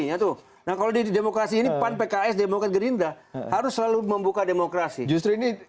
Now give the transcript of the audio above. itu nah kalau di demokrasi ini pan pks demokrat gerindra harus selalu membuka demokrasi justru ini